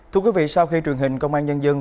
thưa quý vị sau khi truyền hình công an nhân dân